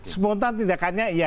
spontan tindakannya iya